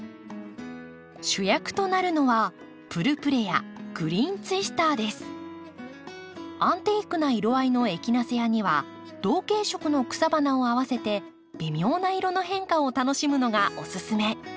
主役となるのはアンティークな色合いのエキナセアには同系色の草花を合わせて微妙な色の変化を楽しむのがオススメ。